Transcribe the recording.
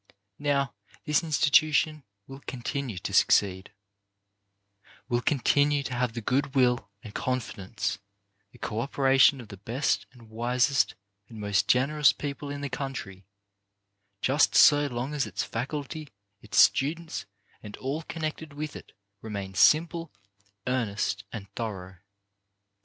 Now, this in stitution will continue to succeed, will continue to have the good will and confidence, the co opera tion of the best and wisest and most generous people in the country, just so long as its faculty, its students, and all connected with it, remain simple, earnest and thorough.